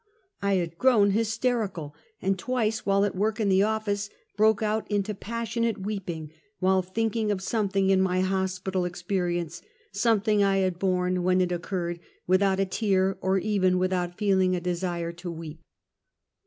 I had grown hysterical, and twice while at work in the ofiice, broke out into passionate weeping, while thinking of something in my hospital experience, something I had borne, when it occurred, without a tear, or even without feeling a desire to weep.